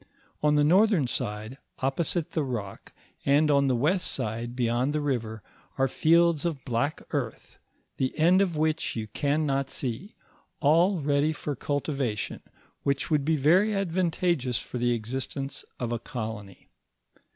On the northern side, opposite the rock, and on the west side beyond the river, are fields of black earth, the end of which you can not see, all ready for cultiva tion, which would be very advantageous for the existence of a colony.